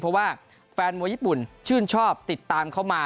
เพราะว่าแฟนมวยญี่ปุ่นชื่นชอบติดตามเขามา